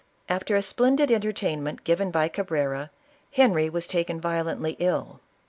After a splendid enter tainment given by Cabrera, Henry was taken violently ill.